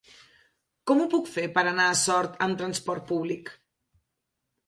Com ho puc fer per anar a Sort amb trasport públic?